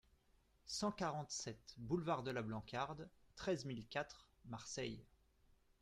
cent quarante-sept boulevard de la Blancarde, treize mille quatre Marseille